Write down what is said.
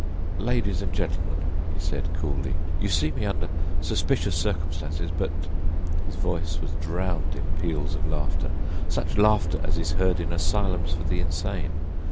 "Ladies and gentlemen," he said, coolly, "you see me under suspicious circumstances, but"—his voice was drowned in peals of laughter—such laughter as is heard in asylums for the insane.